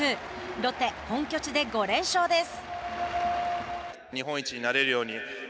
ロッテ、本拠地で５連勝です。